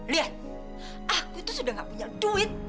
lihat aku itu sudah nggak punya duit